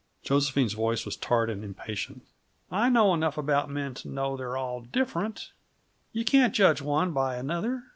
Josephine's voice was tart and impatient. "I know enough about men to know they're all different. You can't judge one by another.